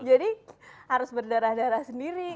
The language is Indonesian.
jadi harus berdarah darah sendiri